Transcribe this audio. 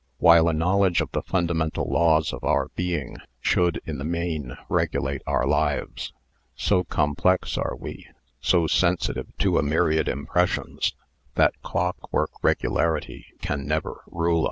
While a knowledge of the fundamental laws of our being should in the main regulate our lives, so com plex are we, so sensitive to a myriad impressions, that clock work regularity can never rule us.